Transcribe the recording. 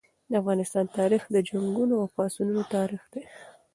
د افغانستان تاریخ د جنګونو او پاڅونونو تاریخ دی.